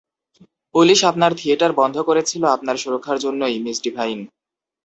Police আপনার theatre বন্ধ করেছিল আপনার সুরক্ষার জন্যই, মিস ডিভাইন।